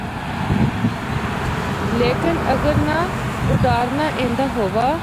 لیکن اگر نہ اُڈارنا ایندا ہوا۔